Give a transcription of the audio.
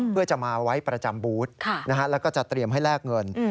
เพื่อจะมาไว้ประจำบูธแล้วก็จะเตรียมให้แลกเงิน